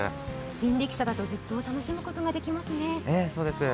人力車だとずっと楽しむことができますね。